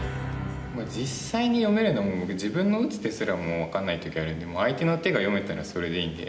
実際に読めるのも僕自分の打つ手すらも分かんない時があるんで相手の手が読めたらそれでいいんで。